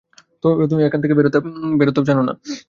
তো তুমি এখান থেকে বেরোতেও জানো না?